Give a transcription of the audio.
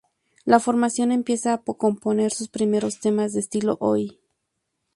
La formación empieza a componer sus primeros temas, de estilo Oi!